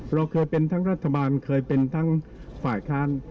เราเคยเป็นทั้งรัฐบาลเคยเป็นทั้งฝ่ายค้าน